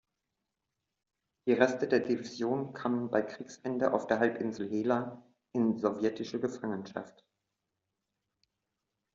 Die Reste der Division kamen bei Kriegsende auf der Halbinsel Hela in sowjetische Gefangenschaft.